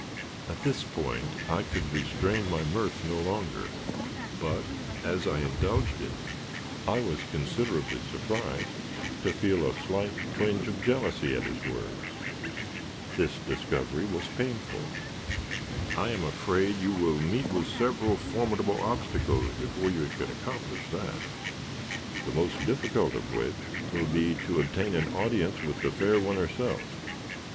At this point I could restrain my mirth no longer; but, as I indulged it, I was considerably surprised to feel a slight twinge of jealousy at his words. This discovery was painful. "I am afraid you will meet with several formidable obstacles, before you can accomplish that; the most difficult of which will be to obtain an audience with the fair one herself."